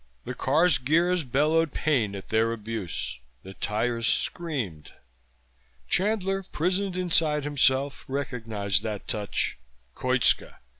The car's gears bellowed pain at their abuse, the tires screamed. Chandler, prisoned inside himself, recognized that touch. Koitska!